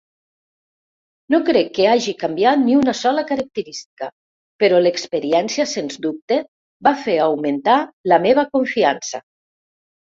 No crec que hagi canviat ni una sola característica, però l'experiència sens dubte va fer augmentar la meva confiança.